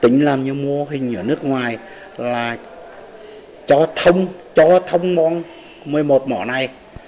ngoài là cho thông môn một mươi một mỏ này